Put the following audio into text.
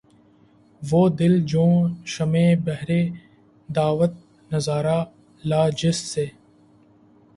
وہ دل جوں شمعِ بہرِ دعوت نظارہ لا‘ جس سے